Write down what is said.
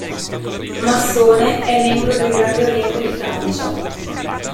Massone, è membro del Grande Oriente di Francia.